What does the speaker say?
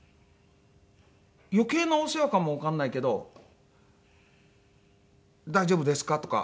余計なお世話かもわかんないけど「大丈夫ですか？」とか。